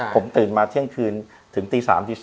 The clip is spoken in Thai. ผมตื่นมาเที่ยงคืนถึงตี๓ตี๒